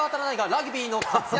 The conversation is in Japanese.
ラグビーの活躍